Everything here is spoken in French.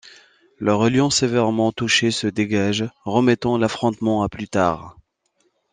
Le Reliant sévèrement touché se dégage, remettant l'affrontement à plus tard.